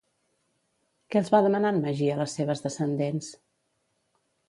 Què els va demanar en Magí a les seves descendents?